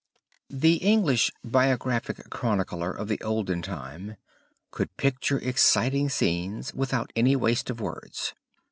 The English biographic chronicler of the olden time could picture exciting scenes without any waste of words.